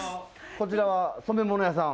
こちらは染め物屋さん。